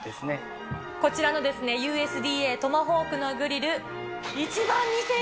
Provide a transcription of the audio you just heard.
こちらのＵＳＤＡトマホークうわー。